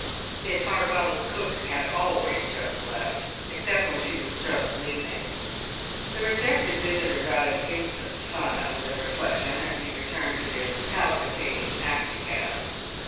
Miss Harbottle's cook had always just left, except when she was just leaving. The rejected visitor got an instant's fun out of the reflection as he returned to his palpitating taxicab.